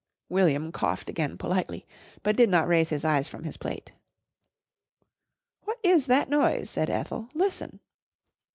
William coughed again politely, but did not raise his eyes from his plate. "What is that noise?" said Ethel. "Listen!"